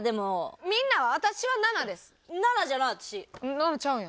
７ちゃうんや。